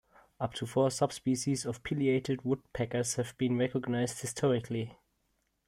Up to four subspecies of pileated woodpeckers have been recognized historically.